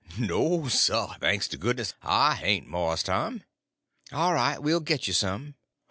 "No, sah, thanks to goodness I hain't, Mars Tom." "All right, we'll get you some."